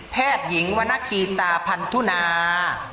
แพทยิงวณครีตราพันธุหนา